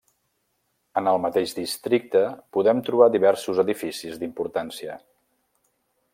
En el mateix districte podem trobar diversos edificis d'importància.